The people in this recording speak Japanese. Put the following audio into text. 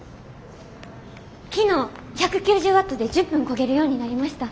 昨日１９０ワットで１０分こげるようになりました。